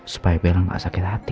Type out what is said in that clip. supaya bel gak sakit hati